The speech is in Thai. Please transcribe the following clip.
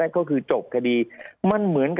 ภารกิจสรรค์ภารกิจสรรค์